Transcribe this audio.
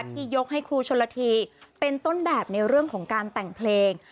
ยกให้ครูชนละทีเป็นต้นแบบในเรื่องของการแต่งเพลง